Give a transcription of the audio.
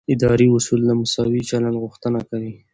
اداري اصول د مساوي چلند غوښتنه کوي.